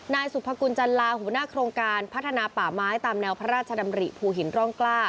นายสุภกุลจันลาหัวหน้าโครงการพัฒนาป่าไม้ตามแนวพระราชดำริภูหินร่องกล้า